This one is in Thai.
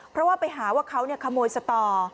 เพราะว่าไปหาว่าเขาขโมยสตอ